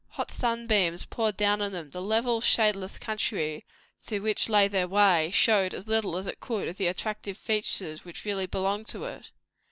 Hot sunbeams poured down upon them; the level, shadeless country through which lay their way, showed as little as it could of the attractive features which really belonged to it.